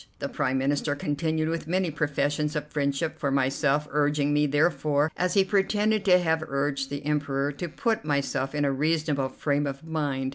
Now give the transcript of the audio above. The Prime Minister continued with many professions of friendship for myself, urging me therefore, as he pretended to have urged the Emperor, to put myself in a reasonable frame of mind.